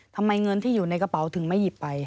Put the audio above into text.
เงินที่อยู่ในกระเป๋าถึงไม่หยิบไป